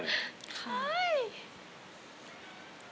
ค่ะ